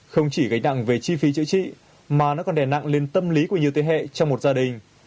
không chỉ gánh nặng về chi phí chữa trị mà nó còn đè nặng lên tâm lý của nhiều thế hệ trong một gia đình